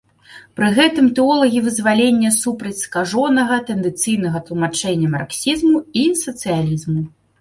Пры гэтым тэолагі вызвалення супраць скажонага тэндэнцыйнага тлумачэння марксізму і сацыялізму.